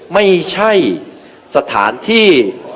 ไม่ใช่สถานที่